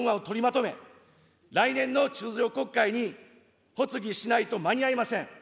臨時国会で憲法改正条文案を取りまとめ、来年の通常国会に発議しないと間に合いません。